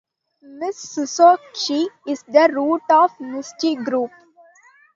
Mitsukoshi is the root of Mitsui group.